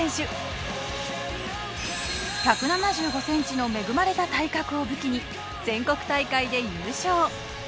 １７５センチの恵まれた体格を武器に全国大会で優勝。